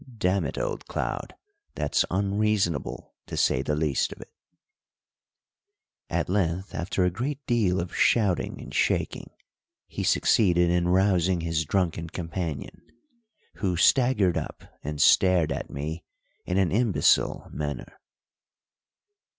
Damn it, old Cloud, that's unreasonable, to say the least of it." At length, after a great deal of shouting and shaking, he succeeded in rousing his drunken companion, who staggered up and stared at me in an imbecile manner.